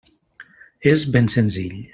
És ben senzill.